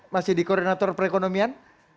masih di koordinator perekonomian